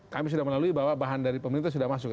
kami sudah melalui bahwa bahan dari pemerintah sudah masuk